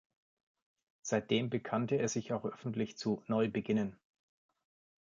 Seitdem bekannte er sich auch öffentlich zu „Neu Beginnen“.